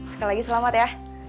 sekali lagi selamat ya